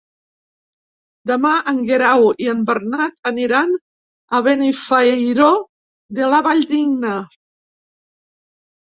Demà en Guerau i en Bernat aniran a Benifairó de la Valldigna.